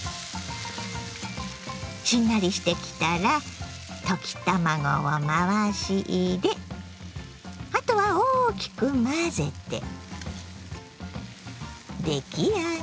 しんなりしてきたら溶き卵を回し入れあとは大きく混ぜて出来上がり。